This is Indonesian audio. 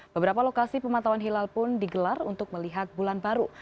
beberapa lokasi pemantauan hilal pun digelar untuk melihat bulan baru